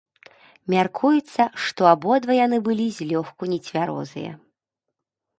Мяркуецца, што абодва яны былі злёгку нецвярозыя.